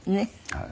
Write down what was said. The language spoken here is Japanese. はい。